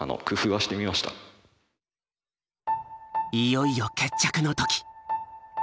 いよいよ決着の時。